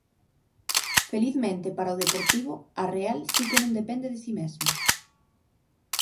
Felizmente para o Deportivo, a Real si que non depende de si mesmo.